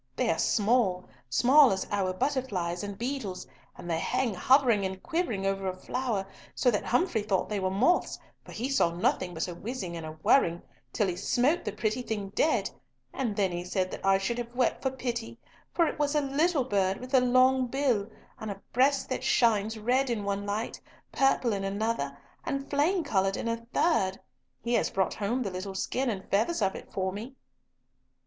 They are small, small as our butterflies and beetles, and they hang hovering and quivering over a flower so that Humfrey thought they were moths, for he saw nothing but a whizzing and a whirring till he smote the pretty thing dead, and then he said that I should have wept for pity, for it was a little bird with a long bill, and a breast that shines red in one light, purple in another, and flame coloured in a third. He has brought home the little skin and feathers of it for me."